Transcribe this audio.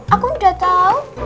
aku udah tau